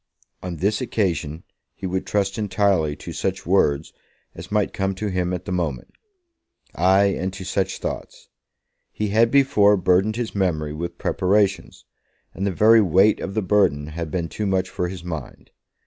On this occasion he would trust entirely to such words as might come to him at the moment; ay, and to such thoughts. He had before burdened his memory with preparations, and the very weight of the burden had been too much for his mind.